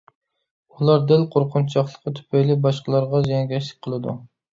ئۇلار دەل قورقۇنچاقلىقى تۈپەيلى باشقىلارغا زىيانكەشلىك قىلىدۇ.